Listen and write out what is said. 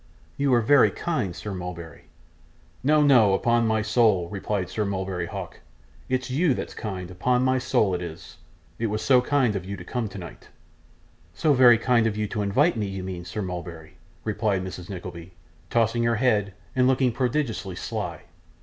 You are very kind, Sir Mulberry.' 'No, no upon my soul!' replied Sir Mulberry Hawk. 'It's you that's kind, upon my soul it is. It was so kind of you to come tonight.' 'So very kind of you to invite me, you mean, Sir Mulberry,' replied Mrs Nickleby, tossing her head, and looking prodigiously sly.